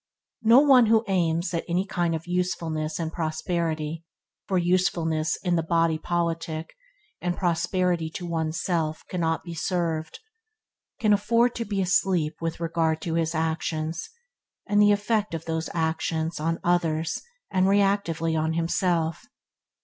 No one who aims at any kind of usefulness and prosperity (for usefulness in the body politic and prosperity to one's self cannot be served)' can afford to be asleep with regard to his actions and the effect of those actions on other and reactively on himself.